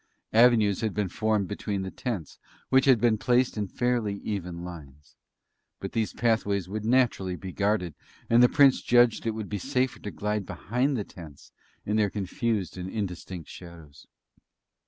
Avenues had been formed between the tents, which had been placed in fairly even lines; but these pathways would naturally be guarded, and the Prince judged it would be safer to glide behind the tents in their confused and indistinct shadows.